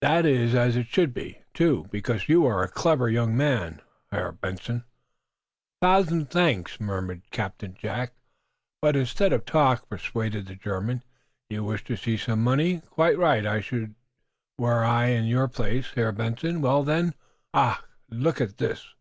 "That is as it should be, too, for you are a clever young man, Herr Benson." "A thousand thanks," murmured Captain Jack. "But, instead of talk," pursued the German, "you wish to see some money. Quite right! I should, were I in your place, Herr Benson. Well, then ach! Look at this."